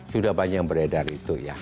sudah banyak beredar itu ya